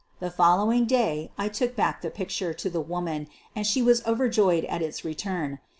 The following day I took back the picture ] to the woman and she was overjoyed at its return.